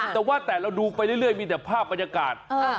แต่ว่าแต่เราดูไปเรื่อยมีแต่ภาพบรรยากาศ